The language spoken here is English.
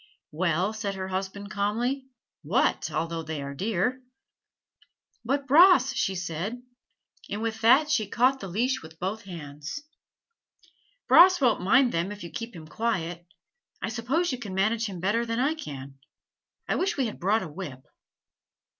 "Well," said her husband calmly, "what although they are deer?" "But Bras " she said; and with that she caught the leash with both her hands, "Bras won't mind them if you keep him quiet. I suppose you can manage him better than I can. I wish we had brought a whip."